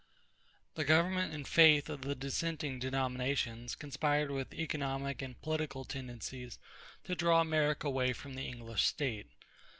The government and faith of the dissenting denominations conspired with economic and political tendencies to draw America away from the English state.